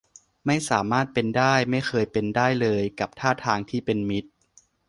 ไม่สามารถเป็นได้ ไม่เคยเป็นได้เลยกับท่าทางที่เป็นมิตร